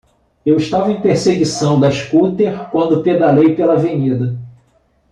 Eu estava em perseguição da scooter quando pedalei pela avenida.